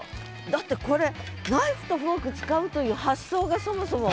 だってこれナイフとフォーク使うという発想がそもそも。